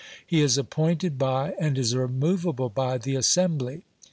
He is appointed by and is removable by the Assembly.